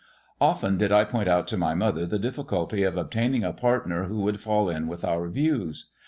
Often did I point out to my mother the difficulty of obtaining a partner who would fall in with our views.